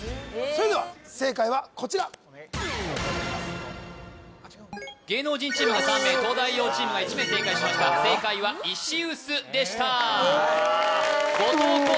それでは正解はこちら芸能人チームが３名東大王チームが１名正解しました正解は石臼でした後藤弘